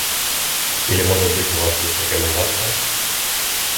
Или, может быть, у вас есть рекомендация?